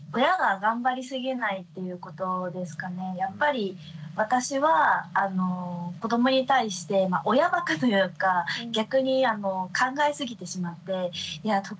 やっぱり私は子どもに対して親ばかというか逆に考えすぎてしまっていや得意な